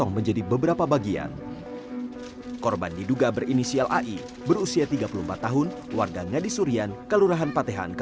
menjelang sore semua ponsel milik anaknya sudah tidak aktif